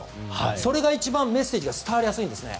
それが一番メッセージが伝わりやすいんですね。